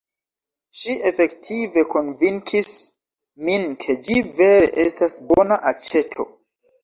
Ŝi efektive konvinkis min ke ĝi vere estas bona aĉeto.